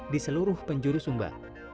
di seluruh penjuru sumba